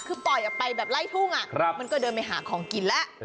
คือปล่อยออกไปแบบไล่ทุ่งมันก็เดินไปหาของกินแล้ว